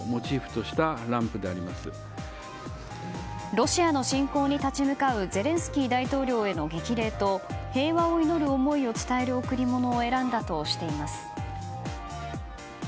ロシアの侵攻に立ち向かうゼレンスキー大統領への激励と平和を祈る思いを伝える贈り物を選んだとしています。